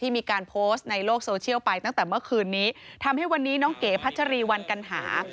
เมื่อคืนนี้ทำให้วันนี้น้องเก๋พัชรีวันกันหา